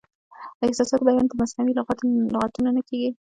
د احساساتو بیان په مصنوعي لغتونو نه کیږي.